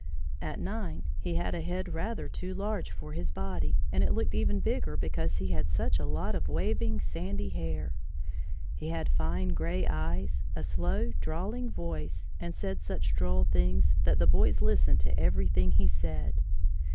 At nine he had a head rather too large for his body, and it looked even bigger because he had such a lot of waving, sandy hair. He had fine gray eyes, a slow, drawling voice, and said such droll things that the boys listened to everything he said.